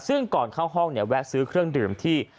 ซึ่งก่อนเข้าห้องเนี่ยแวะซื้อเครื่องดื่มที่